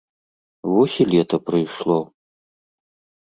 Вось і лета прыйшло.